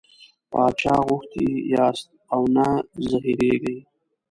باچا غوښتي یاست او نه زهرېږئ.